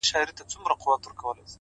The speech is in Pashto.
كېداى سي بيا ديدن د سر په بيه وټاكل سي;